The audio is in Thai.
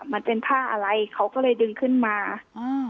มันเป็นผ้าอะไรเขาก็เลยดึงขึ้นมาอ่า